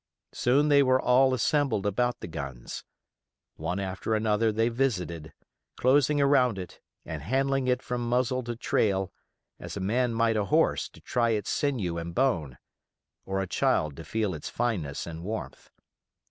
Soon they were all assembled about the guns. One after another they visited, closing around it and handling it from muzzle to trail as a man might a horse to try its sinew and bone, or a child to feel its fineness and warmth.